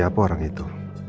siapa orang itu